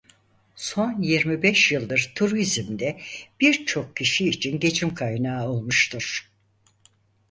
Son yirmi beş yıldır turizm de birçok kişi için geçim kaynağı olmuştur.